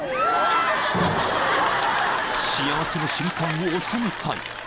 ［幸せの瞬間を収めたい］